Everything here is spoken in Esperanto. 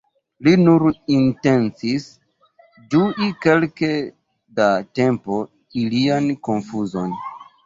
Li nur intencis ĝui kelke da tempo ilian konfuzon!